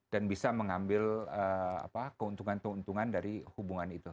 dan bisa mengambil keuntungan keuntungan dari hubungan itu